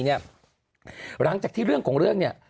หลังจากที่เรื่องของเรื่องเนี่ย